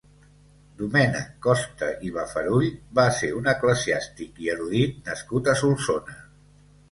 Domènec Costa i Bafarull va ser un eclesiàstic i erudit nascut a Solsona.